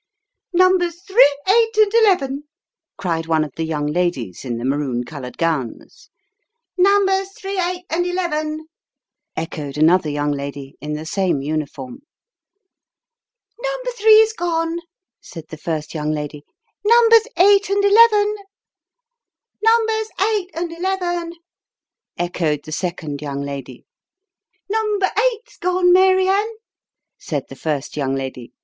" Numbers three, eight, and eleven !" cried one of the young ladies in the maroon coloured gowns. " Numbers three, eight, and eleven !" echoed another young lady in the same uniform. " Number three's gone," said the first young lady. " Numbers eight and eleven !"" Numbers eight and eleven !" echoed the second young lady. " Number eight's gone, Mary Ann," said the first young lady.